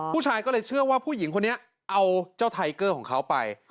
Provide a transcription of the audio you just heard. ผู้ชายก็เลยเชื่อว่าผู้หญิงคนนี้เอาเจ้าไทเกอร์ของเขาไป